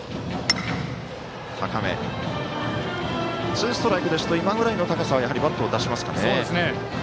ツーアウトですと今ぐらいの高さはバットを出しますかね。